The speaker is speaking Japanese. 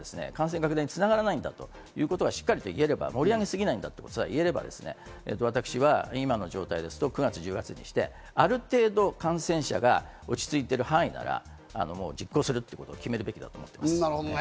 支援策そのものが感染拡大に繋がらないんだということをしっかり言えれば、盛り上げすぎなければ、今の状態ですと９月・１０月にして、ある程度、感染者が落ち着いてる範囲なら実行するってことを決めるべきだと思います。